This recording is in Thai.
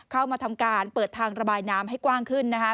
เข้ามาทำการเปิดทางระบายน้ำให้กว้างขึ้นนะคะ